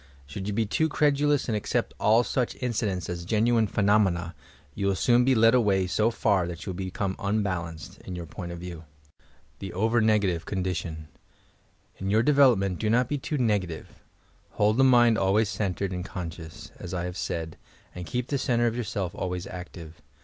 Should you be too credulous and accept all such inci dents as genuine phenomena, you will soon be led away so far that you will become unbalanced, in your point of view. THE OVEE NEGATIVE CONDITION In your development do not be too negative ; hold the mind always centred aod conscious, as I have said, and beep the centre of yourself always active.